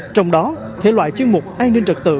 trong đó thể loại chuyên mục an ninh trật tự